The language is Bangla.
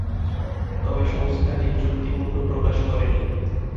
তবে সংস্থাটি চুক্তি মূল্য প্রকাশ করেনি।